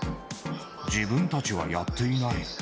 自分たちはやっていない。